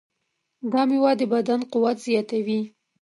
دا مېوه د بدن قوت زیاتوي.